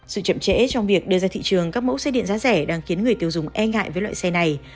sự chậm trễ trong việc đưa ra thị trường các mẫu xe điện giá rẻ đang khiến người tiêu dùng e ngại với loại xe này